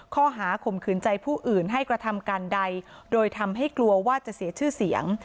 ข้อหาข่มขืนใจผู้อื่นให้กระทำการใดโดยทำให้กลัวว่าจะเสียชื่อเสียง